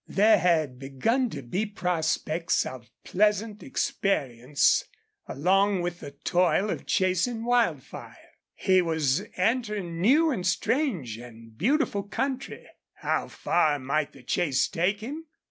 There had begun to be prospects of pleasant experience along with the toil of chasing Wildfire. He was entering new and strange and beautiful country. How far might the chase take him?